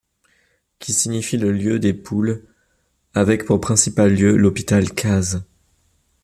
Qui signifie le lieu des poules avec pour principal lieu l’hôpital Kaz.